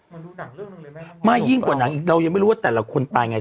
มันรู้หนังเรื่องหนึ่งเลยไหมมากยิ่งกว่าหนังอีกเรายังไม่รู้ว่าแต่ละคนตายไง